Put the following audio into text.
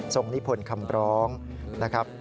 นิพนธ์คำร้องนะครับ